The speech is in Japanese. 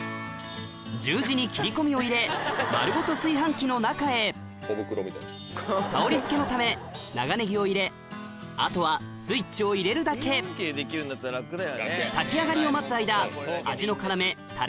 十字に切り込みを入れ丸ごと炊飯器の中へ香りづけのため長ネギを入れあとはスイッチを入れるだけ炊き上がりを待つ間味の要タレ作り